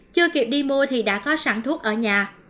chưa kịp đi mua thì đã có sản thuốc ở nhà